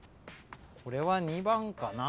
これは２番かな。